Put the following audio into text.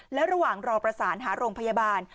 และระหว่างรอประสานหาโรงพยาบาล